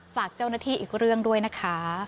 ฝากเจ้าหน้าที่อีกเรื่องด้วยนะคะ